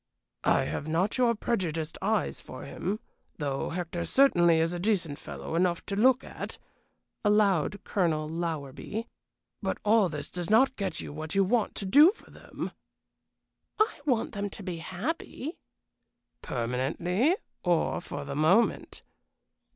"I have not your prejudiced eyes for him though Hector certainly is a decent fellow enough to look at," allowed Colonel Lowerby. "But all this does not get to what you want to do for them." "I want them to be happy." "Permanently, or for the moment?"